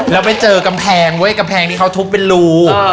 แล้วไปเจอกำแพงที่เขาทุบเป็นรู